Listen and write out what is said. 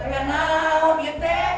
janganlah om ente